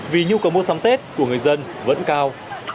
vì nhu cầu mua sắm tết của người dân vẫn cao